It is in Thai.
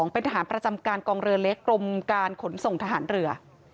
เป็นทหารประจำการกองเรือเล็กกรมการขนส่งทหารเรือ